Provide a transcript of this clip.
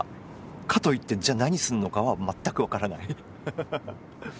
かといってじゃ何すんのかは全く分からない。